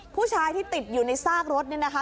ผู้ชายที่ติดอยู่ในซากรถนี่นะคะ